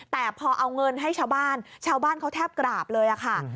แต่พอเอาเงินให้ชาวบ้านชาวบ้านเขาแทบกราบเลยค่ะ